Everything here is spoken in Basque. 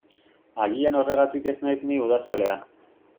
Agian horregatik ez naiz ni udazalea.